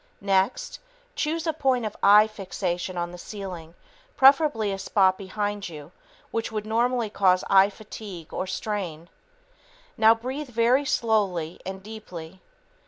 Next, choose a point of eye fixation on the ceiling, preferably a spot behind you which would normally cause eye fatigue or strain. Now, breathe very slowly and deeply.